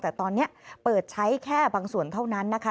แต่ตอนนี้เปิดใช้แค่บางส่วนเท่านั้นนะคะ